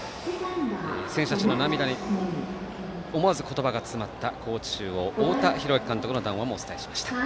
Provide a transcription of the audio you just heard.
選手たちの涙に思わず言葉が詰まった高知中央太田弘昭監督の談話もお伝えしました。